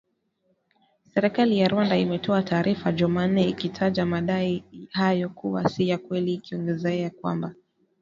Serikali ya Rwanda imetoa taarifa jumanne ikitaja madai hayo kuwa si ya kweli ikiongezea kwamba